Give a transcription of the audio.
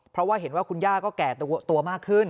เพราะว่าเห็นว่าคุณย่าก็แก่ตัวมากขึ้น